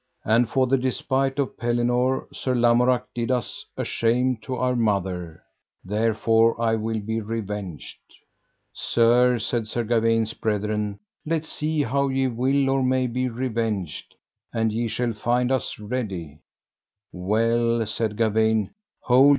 And for the despite of Pellinore, Sir Lamorak did us a shame to our mother, therefore I will be revenged. Sir, said Sir Gawaine's brethren, let see how ye will or may be revenged, and ye shall find us ready.